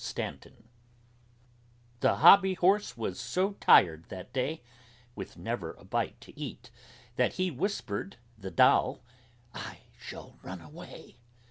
STANTON The Hobby Horse was so tired that day, With never a bite to eat, That he whispered the Doll: "I shall run away!"